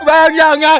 ah bang jangan